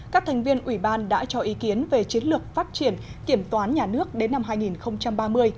các thành viên ủy ban đã cho ý kiến về chiến lược phát triển kiểm toán nhà nước đến năm hai nghìn ba mươi